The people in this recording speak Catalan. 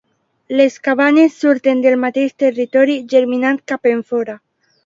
Les cabanes surten del mateix territori, germinant cap enfora.